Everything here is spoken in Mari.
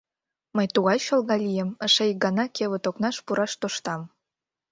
— Мый тугай чолга лийым — эше ик гана кевыт окнаш пураш тоштам!